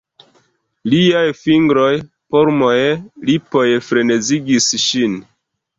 Liaj fingroj, polmoj, lipoj frenezigis ŝin.